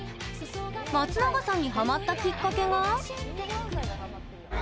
松永さんにハマったきっかけは？